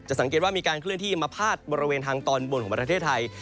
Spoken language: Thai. สังเกตว่ามีการเคลื่อนที่มาพาดบริเวณทางตอนบนของประเทศไทย